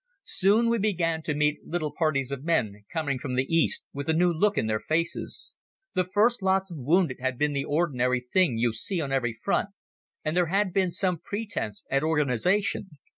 Soon we began to meet little parties of men coming from the east with a new look in their faces. The first lots of wounded had been the ordinary thing you see on every front, and there had been some pretence at organization.